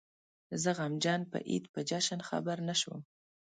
زه غمجن په عيد په جشن خبر نه شوم